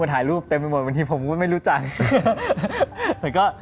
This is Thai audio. ใครจะไม่รู้ว่าขนาดนี้ผมไม่รู้จัง